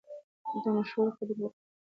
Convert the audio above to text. د مشورو قدر وکړئ.